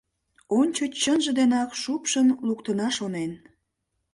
Ончыч чынже денак шупшын луктына шонен.